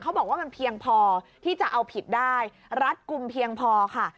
บอกว่ามันเพียงพอที่จะเอาผิดได้รัดกลุ่มเพียงพอค่ะ